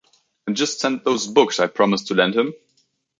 And just send those books I promised to lend him?